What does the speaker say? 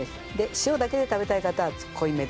塩だけで食べたい方は濃いめで。